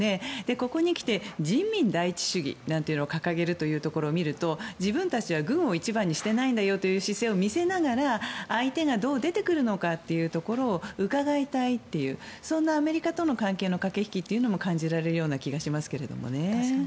ここにきて人民第一主義なんていうのを掲げるところを見ると自分たちは軍を一番にしていないのよという姿勢を見せながら、相手がどう出てくるのかというところをうかがいたいっていうそんなアメリカとの関係の駆け引きも感じられるような気がしますけどね。